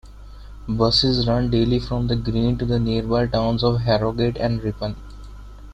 Buses run daily from the green to the nearby towns of Harrogate and Ripon.